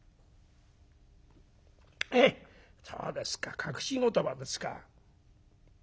「へえそうですか隠し言葉ですか」。